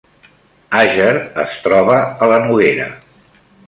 Àger es troba a la Noguera